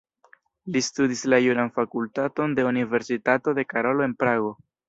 Li studis la juran fakultaton de Universitato de Karolo en Prago.